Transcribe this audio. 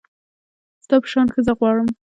ستا په شان ښځه غواړم